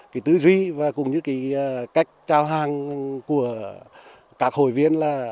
cái tư duy và cũng như cái cách trao hàng của các hội viên là